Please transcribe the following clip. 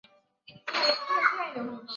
向传师是宋朝政治人物。